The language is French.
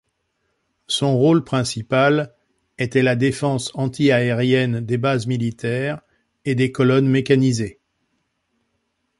Son rôle principal était la défense antiaérienne des bases militaires et des colonnes mécanisées.